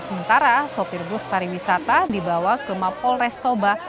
sementara sopir bus pariwisata dibawa ke mapol restoba